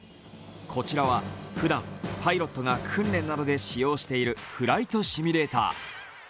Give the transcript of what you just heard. こちらはふだん、パイロットが訓練などで使用しているフライトシミュレーター。